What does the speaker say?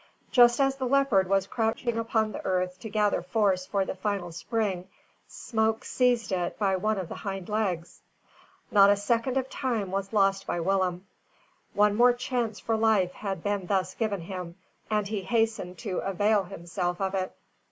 Just as the leopard was crouching upon the earth to gather force for the final spring, Smoke seized it by one of the hind legs. Not a second of time was lost by Willem. One more chance for life had been thus given him, and he hastened to avail himself of it.